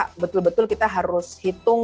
tapi betul betul kita harus hitung dari aspeknya